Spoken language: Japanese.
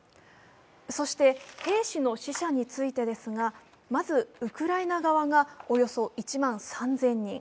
そして、兵士の死者についてですがまずウクライナ側がおよそ１万３０００人。